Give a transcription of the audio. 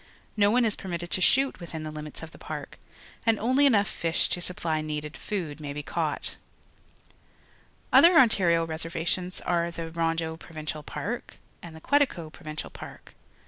No one is permitted to shoot witlrin the limits of the Park, and onlj^ enough fish to supply needed food maj' be caught. ONTARIO 87 Other Ontario reservations are the Ron deau Provincial Park and the Queiico Pro vincial Park.